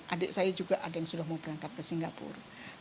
adik saya juga ada yang sudah mau berangkat ke singapura